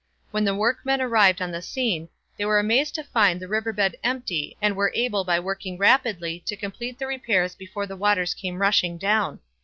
When the workmen arrived on the scene they were amazed to find the riverbed empty and were able by working rapidly to complete the repairs before the waters came rushing down.